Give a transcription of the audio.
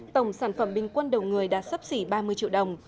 tổng sản phẩm bình quân đầu người đạt sấp xỉ ba mươi triệu đồng